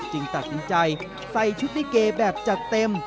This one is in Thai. ตัดสินใจใส่ชุดลิเกแบบจัดเต็ม